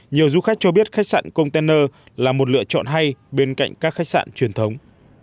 nhiều du khách cho biết khách sạn container là một lựa chọn hay bên cạnh các khách sạn truyền thống